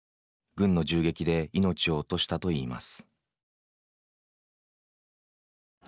軍の銃撃で命を落としたといいます。